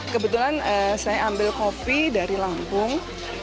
kebetulan saya ambil kopi dari lampung